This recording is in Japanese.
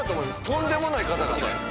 とんでもない方がね。